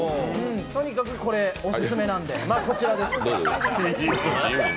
とにかくこれ、オススメなんでこちらです。